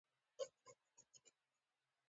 هره خوا چې په کې ګرځې.